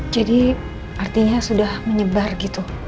jadi artinya sudah menyebar gitu